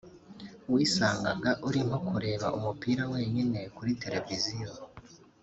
wisangaga uri nko kureba umupira wenyine kuri televiziyo